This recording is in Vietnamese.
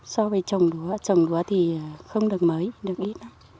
so với trồng lúa trồng lúa thì không được mấy được ít